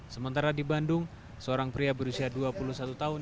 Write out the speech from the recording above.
sementara di bandung seorang pria berusia dua puluh satu tahun